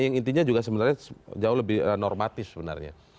yang intinya juga sebenarnya jauh lebih normatif sebenarnya